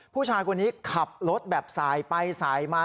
ผู้ชายคนนี้ขับรถแบบสายไปสายมา